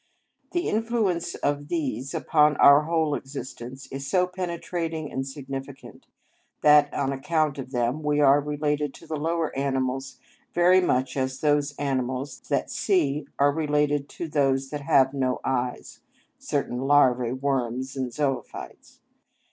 The influence of these upon our whole existence is so penetrating and significant that, on account of them, we are related to the lower animals very much as those animals that see are related to those that have no eyes (certain larvae, worms, and zoophytes).